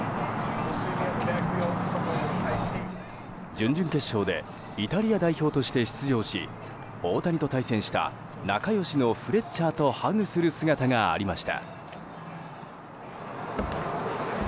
準々決勝でイタリア代表として出場し大谷と対戦した仲良しのフレッチャーとハグする姿がありました。